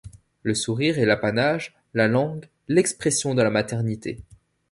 Le sourire est l’apanage, la langue, l’expression de la maternité.